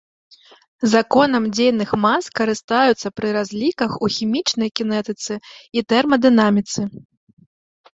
Законам дзейных мас карыстаюцца пры разліках у хімічнай кінетыцы і тэрмадынаміцы.